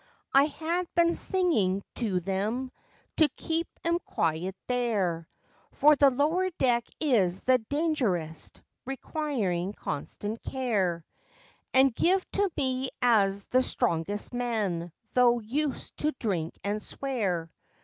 I had been singin' to them to keep 'em quiet there, For the lower deck is the dangerousest, requirin' constant care, An' give to me as the strongest man, though used to drink and swear.